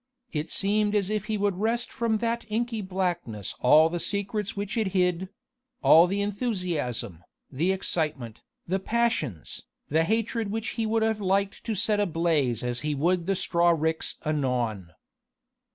It seemed as if he would wrest from that inky blackness all the secrets which it hid all the enthusiasm, the excitement, the passions, the hatred which he would have liked to set ablaze as he would the straw ricks anon.